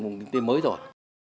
xây dựng một nền tiền mới rồi